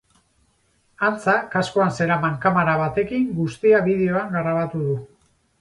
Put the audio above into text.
Antza, kaskoan zeraman kamara batekin guztia bideoan grabatu du.